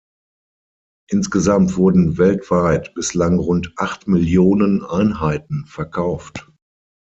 Insgesamt wurden weltweit bislang rund acht Millionen Einheiten verkauft.